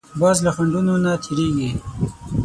باز له خنډونو نه تېرېږي